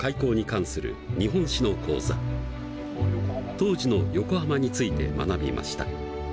当時の横浜について学びました。